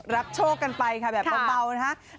รับโชคกันไปค่ะแบบเบานะครับ